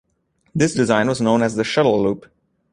This design was known as the Shuttle Loop.